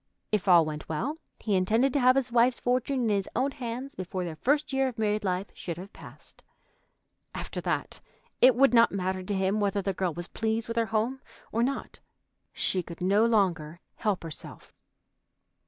If all went well, he intended to have his wife's fortune in his own hands before their first year of married life should have passed. After that it would not matter to him whether the girl was pleased with her home or not. She could no longer help herself.